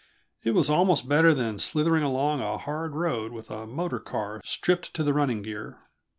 It was almost better than slithering along a hard road with a motor car stripped to the running gear.